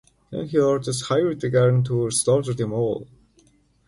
He then orders Hirudegarn to "slaughter them all".